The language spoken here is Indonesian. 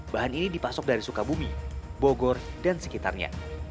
bahan ini dipasok dari sukabumi bogor dan sekitarnya